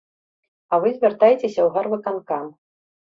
А вы звяртайцеся ў гарвыканкам.